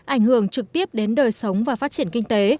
ảnh hưởng trực tiếp đến đời sống và phát triển kinh tế